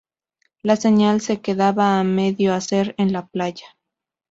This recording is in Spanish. La señal se queda a medio hacer en la playa.